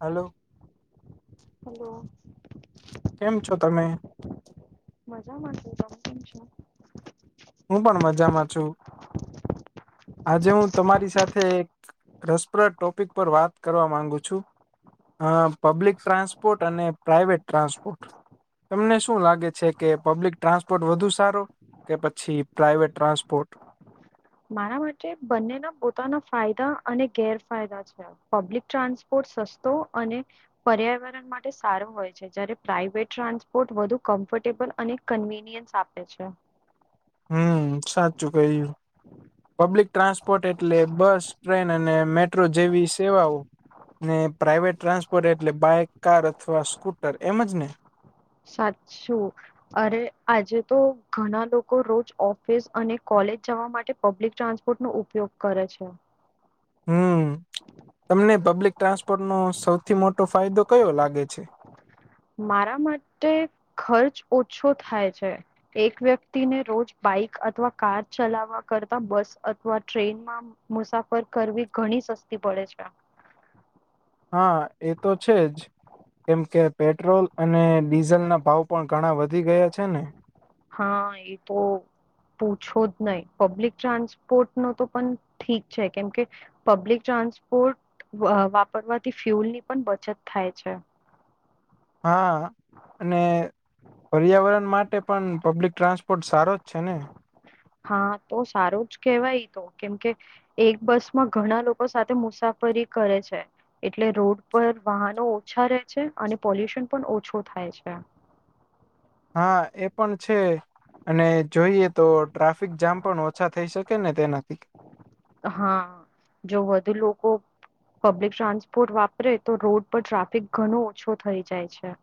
Hello. Hello. કેમ છો તમે મજા મા ચિકા છૂં તમે કેમ છો. હું પણ મજામાં છું. આજે હું તમારી સાથે એક રસપ્રદ ટોપિક પર વાત કરવા માંગુ છું. અહ પબ્લિક ટ્રાન્સપોર્ટ અને પ્રાઈવેટ ટ્રાન્સપોર્ટ. તમને શું લાગે છે કે પબ્લિક ટ્રાન્સપોર્ટ વધુ સારો કે પછી પ્રાઈવેટ ટ્રાન્સપોર્ટ. મારા માટે બંનેના પોતાના ફાયદા અને ગેરફાયદા છે. પબ્લિક ટ્રાન્સપોર્ટ સસ્તો અને પર્યાવરણ માટે સારું હોય છે જયારે પ્રાઇવેટ ટ્રાન્સપોર્ટ વધુ કમ્ફર્ટેબલ અને કન્વીિનિયન્સ આપે છે. હમ સાચું કહ્યું. પબ્લિક ટ્રાન્સપોર્ટ એટલે બસ ટ્રેન અને મેટ્રો જેવી સેવાઓ ને પ્રાાઈવેટ ટ્રાન્સપોર્ટ એટલે બાઈક કાર અથવા સ્કૂટર એમજ ને. સાચું. અરે આજે તો ઘણા લોકો રોજ ઓફિસ અને કોલેજ જવા માટે પબ્લિક ટ્રાન્સ પોટ નો ઉપયોગ કરે છે. હમ તમને પબ્લિક ટ્રાન્સપોર્ટ નો સૌથી મોટો ફાયદો કયો લાગે છે મારા માટે ખર્ચ ઓછો થાય છે એક વ્યક્તિ ને રોજ બાઈક અથવા કાર ચલાવવા કરતા બસ અથવા ટ્રેનમાં મુસાફર કરવી ઘણી સસ્તી પડે છે. હા એ તો છે જ કેમ કે. પેટ્રોલ અને ડીઝલના ભાવ પણ ઘણા વધી ગયા છે ને હા એ તો પૂછો જ નઈ પબ્લિક ટ્રાન્સપોર્ટ નો તો પણ ઠીક છે કેમ કે પબ્લિક ટ્રાન્સપોર્ટ વ વાપરવાથી ફ્યુલ ની પણ બચત થાય છે હા અને પર્યાવરણ માટે પણ પબ્લિક ટ્રાન્સપોર્ટ સારો જ છે ને. હા. તો સારો જ કહેવાય ઈ તો. કેમ કે એક બસ માં ઘણા લોકો સાથે મુસાફરી કરે છે. એટલે રોડ પર વાહનો ઓછા રહે છે, અને પોલ્યુશન પણ ઓછો થાય છે. હા, એ પણ છે. અને જોઈએ તો ટ્રાફિક જામ પણ ઓછા થઈ શકે ને તેનાથી. હા. જો વધુ લોકો પબ્લિક ટ્રાન્સપોર્ટ વાપરે તો રોડ પર ટ્રાફિક ઘણો ઓછો થઈ જાય છે.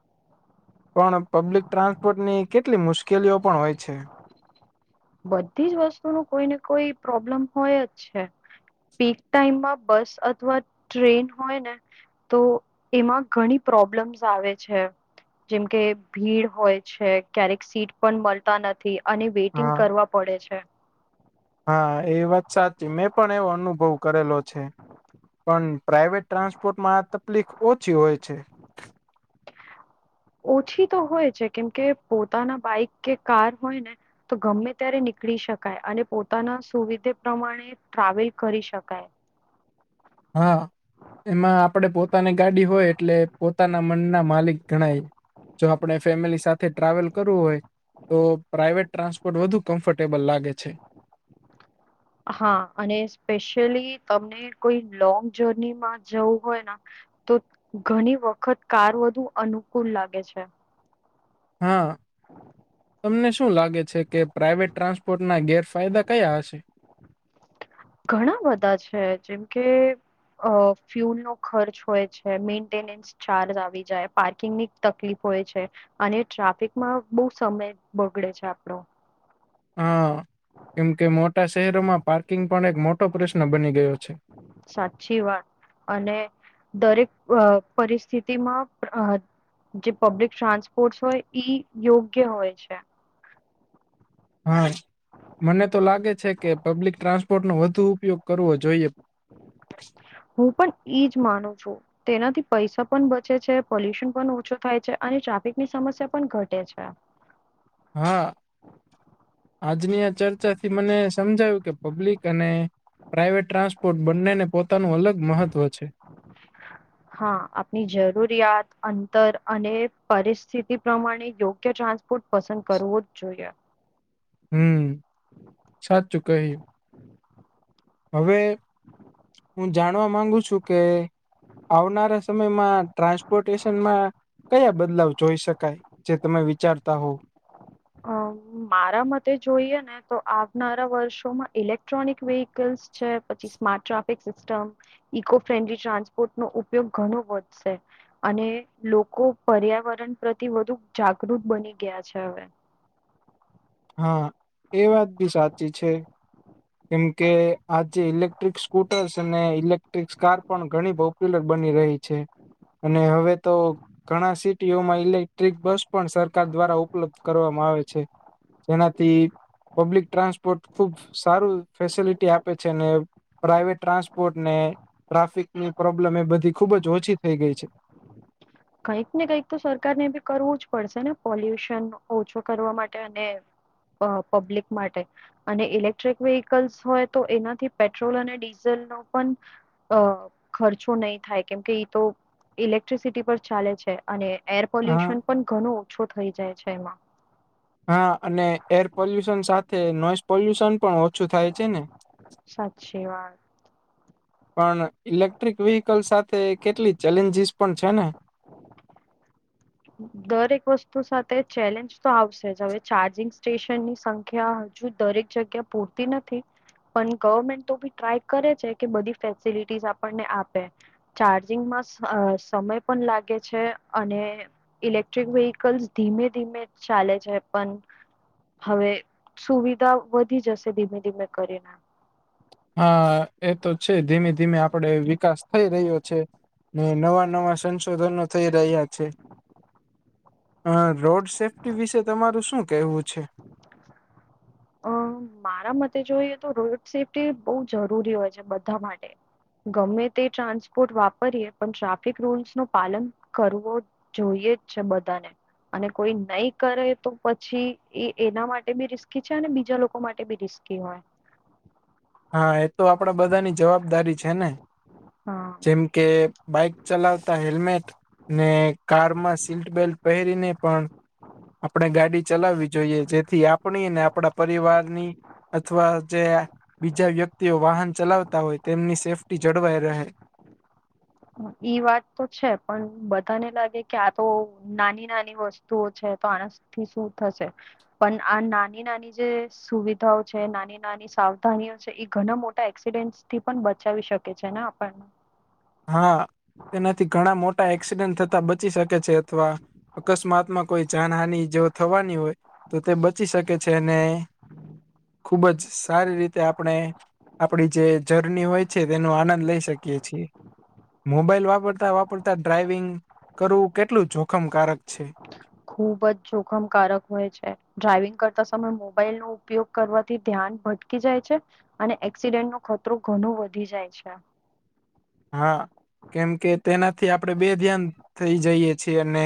પણ પબ્લિક ટ્રાન્સપોર્ટ ની કેટલી મુશ્કેલીઓ પણ હોય છે. બધી જ વસ્તુ નું કોઈને કોઈ પ્રોબ્લેમ હોય જ છે. પીક ટાઈમમાં બસ અથવા ટ્રેન હોય ને તો એમાં ઘણી પ્રોબ્લેમ્સ આવે છે. જેમ કે ભીડ હોય છે, ક્યારેક સીટ પણ મલતા નથી. અને વેટિંગ હા કરવા પડે છે. હા એ વાત સાચી. મેં પણ એવો અનુભવ કરેલો છે. પણ પ્રાઈવેટ ટ્રાન્સપોર્ટમાં આ તફલીક ઓછી હોય છે. ઓછી તો હોય છે. કેમ કે પોતાના બાઈક કે કાર હોય ને તો ગમે ત્યારે નીકળી શકાય. અને પોતાના સુવિધે પ્રમાણે ટ્રાવેલ કરી શકાય. હા. એમાં આપણેે પોતાની ગાડી હોય એટલે પોતાના મનના માલિક ગણાય. જો આપણે ફેમિલી સાથે ટ્રાવેલ કરવું હોય તો પ્રાઈવેટ ટ્રાન્સપોર્ટ વધુ કમ્ફર્ટેબલ લાગે છે. હા. અને સ્પેશિયલી તમને કોઈ લોંગ જર્નીમાં જવું હોય ના તો ઘણી વખત કાર વધુ અનુકૂળ લાગે છે. હા. [inaudible] તમને શું લાગે છે, કે પ્રાઈવેટ ટ્રાન્સપોર્ટ ના ગેરફાયદા કયાં હશે? ઘણા બધા છે. જેમ કે અહ ફ્યુલનો ખર્ચ હોય છે, મેન્ટેનન્સ ચાર્જ આવી જાય, પાર્કિંગ ની તકલીફ હોય છે. અને ટ્રાફિકમાં બહુ સમય બગડે છે આપણો. હા. કેમ કે મોટા શહેરોમાં પાર્કિંગ પણ એક મોટો પ્રશ્ન બની ગયો છે. સાચી વાત. અને દરેક અહ પરિસ્થિતિમાં અહ જે પબ્લિક ટ્રાન્સપોર્ટસ હોય ઈ યોગ્ય હોય છે. હા. મને તો લાગે છે, કે પબ્લિક ટ્રાન્સપોર્ટ નો વધુ ઉપયોગ કરવો જોઈએ. હું પણ ઈજ માનું છું. તેનાથી પૈસા પણ બચે છે, પોલ્યુશન પણ ઓછો થાય છે, અને ટ્રાફિકની સમસ્યા પણ ઘટે છે. હા. આજની આ ચર્ચા થી મને સમજાયું, કે પબ્લિક અને પ્રાઈવેટ ટ્રાન્સપોર્ટ બંનેને પોતાનું અલગ મહત્વ છે. હા. આપની જરૂરિયાત, અંતર અને પરિસ્થિતી પ્રમાણે યોગ્ય ટ્રાન્સપોર્ટ પસંદ કરવો જ જોઈએ. હમ્મ. સાચું કહ્યું. હવે, હું જાણવા માંગુ છું કે આવનારા સમયમાં ટ્રાન્સપોર્ટેશનમાં કયા બદલાવ જોઈ શકાય જે તમે વિચારતા હોવ અ મારા મતે જોઈએ ને તો આવનારા વર્ષોમાં ઇલેક્ટ્રોનિક છે smart traffic system, eco friendly transport નો ઉપયોગ ઘણો વધશે. અને લોકો પર્યાવરણ પ્રતિ વધુ જાગૃત બની ગયા છે હવે. હા એ વાત બી સાચી છે. કેમ કે આજે ઇલેક્ટ્રિક સ્કૂટર્સ અને ઇલેક્ટ્રિક કાર પણ ઘણી બહ લ બની રહી છે. અને હવે તો ઘણા સિટીઓમાં ઇલેક્ટ્રિક બસ પણ સરકાર દ્વારા ઉપલબ્ધ કરવામાં આવે છે. જેનાથી પબ્લિક ટ્રાન્સપોર્ટ ખુબ સારું ફેસિલિટી આપે છે અને પ્રાાઈવેટ ટ્રાન્સપોર્ટ ને ટ્રાફિકની પ્રોબ્લેમ એ બધી ખુબ જ ઓછી થઈ ગઈ છે. કઈક ને કઈક તો સરકાર ને બી કરવું જ પડશે ને પોલ્યુશન ઓછો કરવા માટે અને અ પબ્લિક માટે. અને ઇલેક્ટ્રિક વ્હિકલ્સ હોય તો એનાથી પેટ્રોલ અને ડીઝલ ન પણ અ ખર્ચો નહીં થાય કેમકે તો ઇલેક્ટ્રિસિટી પર ચાલે છે અને એર હા પોલ્યુશન પણ ઘણું ઓછું થઈ જાય છે એમાં. હા. અને એર પોલ્યુશન સાથે નોઈઝ પોલ્યુશન પણ ઓછું થાય છે ને! સાચી વાત. પણ ઇલેક્ટ્રિક વ્હકલ સાથે કેટલી ચેલેન્જીસ પણ છે ને. હમ. દરેક વસ્તુ સાથે ચેલેન્જ તો આવશે જ. હવે ચાર્જિંગ સ્ટેશનની સંખ્યા હજુ દરેક જગ્યા પૂરતી નથી. પણ ગવર્મેન્ટ તો બી ટ્રાય કરે છે કે બધી ફેસિલિટીસ આપણને આપે. ચારઝિંગ સમય પણ લાગે છે અને ઇલેક્ટ્રિક વ્હીકલ્સ ધીમે ધીમે ચાલે છે પણ હવે સુવિધા વધી જશે ધીમે ધીમે કરીને. હા. એ તો છે ધીમે ધીમે આપડે વિકાસ થઈ રહ્યો છે. ને નવા નવા સંશોધનો થઈ રહ્યા છે. હ રોડ સેફ્ટી વિશે તમારું શું કેહવું છે? મારા મતે જોઈએ તો રોડ સેફ્ટી બહ જરૂરી હોય છે બધા માટે. ગમે તે ટ્રાન્સપોર્ટ વાપરીએ પણ ટ્રાફિક રૂલ્સ ન પાલન કરવો જોઈએ જ છે બધાને. અને કોઈ નહી કરે તો પછી એ એના માટે બી રિસ્કી અને બીજા લોકો માટે બી રીસ્કી હોય. હા. એ તો આપડા બધાની જવાબદારી છે ને! હા જેમ કે બાઇક ચલાવતા હેલ્મેટ ને કારમાં સીટ બેલ્ટ પહેરીને પણ આપણે ગાડી ચલાવવી જોઈએ જેથી આપણી ને આપણા પરિવારની અથવા જે બીજા વ્યક્તિઓ વાહન ચલાવતા હોય તેમની સેફ્ટી જળવાઈ રહે. ઈ વાત તો છે પણ બધાને લાગે કે આ તો નાની નાની વસ્તુઓ છે તો આ થી શું થશે? પણ આ નાની નાની જે સુવિધાઓ છે, નાની નાની સાવધાનીઓ છે, એ ઘણા મોટા એક્સિડન્ટથી પણ બચાવી શકે છે ને આપણને. હા, તેનાથી ઘણા મોટા એક્સિડન્ટ થતા બચી શકે છે. અથવા અકસ્મતમાં કોઈ જાનહાનિ જો થવાની હોય તો તે બચી શકે છે અને... ખૂબ જ સારી રીતે આપણે.... આપણી જે જર્ની હોય છે, તેનો આનંદ લઈ શકીએ છીએ. મોબાઈલ વાપરતા વાપરતા ડ્રાઇવિંગ... મોબાઈલ વાપરતા વાપરતા ડ્રાઇવિંગ કરવું કેટલું જોખમકારક છે. ખૂબ જ જોખમકારક હોય છે. ડ્રાઇવિંગ કરતા સમયે મોબાઇલનો ઉપયોગ કરવાથી ધ્યાન... ધ્યાન ભટકી જાય છે અને એક્સિડન્ટનો ખતરો ઘણો વધી જાય છે. હા, કેમ કે તેનાથી આપણે બેધ્યાન થઈ જઈએ છીએ અને...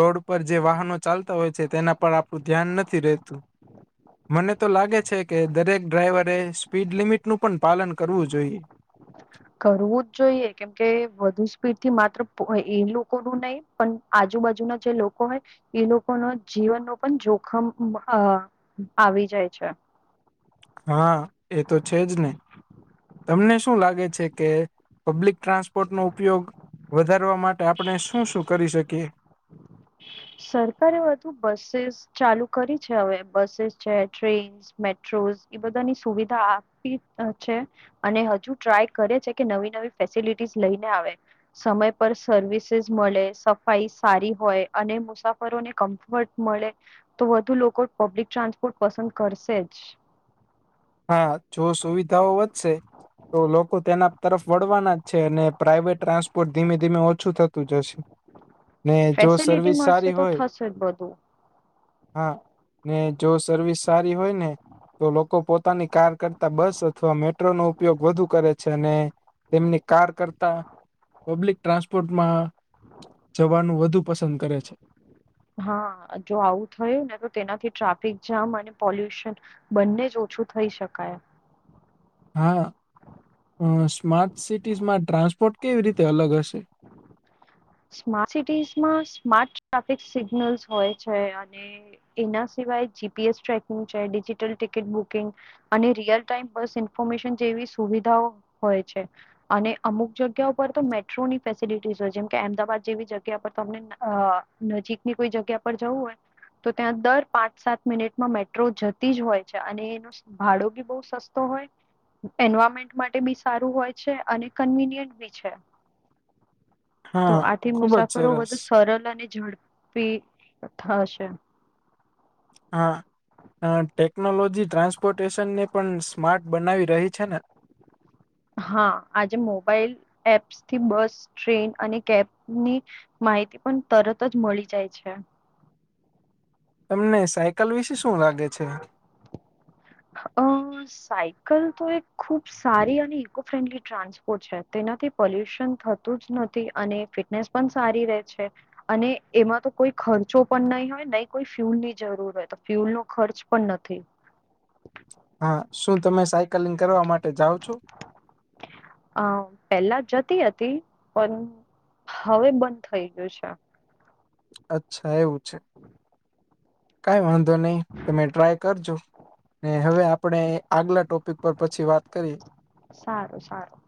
રોડ પર જે વાહનો ચાલતા હોય છે, તેના પર આપણું ધ્યાન નથી રહેતું. મને તો લાગે છે કે દરેક ડ્રાઈવરે સ્પીડ લિમિટનું પણ પાલન કરવું જોઈએ. [inaudible] કરવું જ જોઈએ, કેમ કે વધુ સ્પીડથી માત્ર એ લોકો જ નહીં... પણ આજુબાજુના જે લોકો હોય, એ લોકોના જીવનનો પણ જોખમ અ... આવી જાય છે. હા, એ તો છે જ ને. તમને શું લાગે છે કે પબ્લિક ટ્રાન્સપોર્ટનો ઉપયોગ... વધારવા માટે આપણે શું શું કરી શકીએ? સરકારે વધુ બસો ચાલુ કરી છે. હવે બસો છે, ટ્રેન... મેટ્રોસ એ બધાની સુવિધા આપી છે. અને હજુ ટ્રાય કરે છે કે નવી નવી ફેસિલિટીઝ લઈને આવે... સમયસર સર્વિસ મળે સફાઈ સારી હોય. અને મુસાફરોને કમ્ફર્ટ મળે. તો વધુ લોકો પબ્લિક ટ્રાન્સપોર્ટ પસંદ કરશે જ. હા, જો સુવિધાઓ વધશે. તો લોકો તેના તરફ વળવાના જ છે અને પ્રાઇવેટ ટ્રાન્સપોર્ટ ધીમે ધીમે ઓછું થતું જશે. ને જો ફેસિલિટી સર્વિસ... મળશે સારી તો હોય થશે જ બધું. હા ને, જો સર્વિસ સારી હોય ને તો લોકો પોતે... પોતાની કાર કરતા બસ અથવા મેટ્રોનો ઉપયોગ વધુ કરે છે અને... તેમની કાર કરતા પબ્લિક ટ્રાન્સપોર્ટમાં... જવાનું વધુ પસંદ કરે છે. હા, જો આવું થયું ને તો તેનાથી ટ્રાફિક જામ અને પોલ્યુશન... બંને જ ઓછું થઈ શકાય. હા. સ્માર્ટ સિટીઝમાં ટ્રાસપોર્ટ કેવી રીતે અલગ હશે? સ્માર્ટ સિટીઝમાં સ્માર્ટ ટ્રાફિક સિગ્નલ્સ હોય છે અને... એના સિવાય જીપીએસ ટ્રેકિંગ છે, ડિજિટલ ટિકિટ બુકિંગ. અને રિયલ ટાઈમ બસની માહિતી જેવી સુવિધાઓ હોય છે અને અમુક જગ્યાએ... કે ઉપર તો મેટ્રોની સુવિધા હોય, જેમ કે અમદાવાદ જેવી જગ્યાઓ પર તમને... નજીકની કોઈ જગ્યા પર જવું હોય. તો ત્યાં દર પાંચ-સાત મિનિટમાં મેટ્રો જતી જ હોય છે અને એનું... ભાડું પણ બહુ સસ્તું હોય. એન્વાયરમેન્ટ માટે પણ સારું હોય છે, અને કન્વિનિયન્ટ પણ... છે, તો હા આથી ખુબ જ મુસાફરી સરસ વધુ સરળ અને ઝડપી... પી થશે. હા, ટેકનોલોજી ટ્રાન્સપોર્ટેશનને પણ સ્માર્ટ બનાવી રહી છે ને... [inaudible] હા, આજે મોબાઈલ એપ્સ થી બસ ટ્રેન અને કેબની માહિતી પણ તરત જ મળી જાય છે. તમને સાયકલ વિશે શું લાગે છે. અ [inaudible] સાયકલ તો એક ખુબ સારી અને ઇકો ફ્રેન્ડલી ટ્રાન્સપોર્ટ છે, તેનાથી પોલ્યુશન થતું જ નથી, અને ફિટનેસ પણ સારી રે છે. અને એમાં તો કોઈ ખર્ચો પણ નહીં હોય, નહી કોઈ ફ્યુલ ની જરૂર હોય તો ફ્યુલ નો ખર્ચ પણ નથી. હા, શું તમે સાયકલિંગ કરવા માટે જાઓ છો. અ પેલા જતી હતી, પણ હવે બંધ ગયું છે. અચ્છા એવું છે, કઈ વાંધ નહી, તમે ટ્રાય કરજો, ને હવે આપણે આગલા ટોપિક પર પછી વાત કર્યે. સારું, સારું.